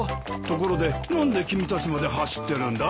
ところで何で君たちまで走ってるんだ？